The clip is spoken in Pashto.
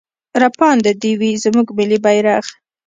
راپانده دې وي زموږ ملي بيرغ.